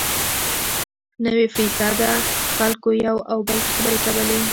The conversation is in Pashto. نوي فیصده خلکو یو او بل ته خبرې کولې.